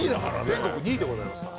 全国２位でございますから。